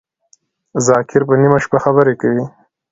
ذاکر په نیمه شپه خبری کوی